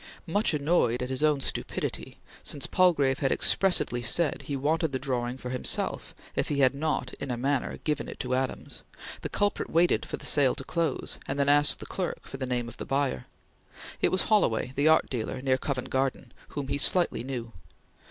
Much annoyed at his own stupidity, since Palgrave had expressly said he wanted the drawing for himself if he had not in a manner given it to Adams, the culprit waited for the sale to close, and then asked the clerk for the name of the buyer. It was Holloway, the art dealer, near Covent Garden, whom he slightly knew.